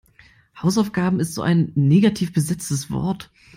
Hausaufgabe ist so ein negativ besetztes Wort.